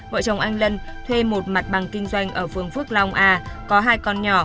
vợ chồng anh lân thuê một mặt bằng kinh doanh ở phương phước long a có hai con nhỏ